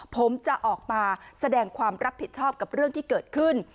ผมจะออกมาแสดงความรับผิดชอบกับเรื่องที่เกิดขึ้น